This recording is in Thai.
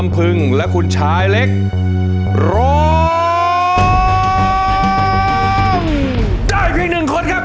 เพิงและคุณชายเล็กร้องได้เพียง๑คนครับ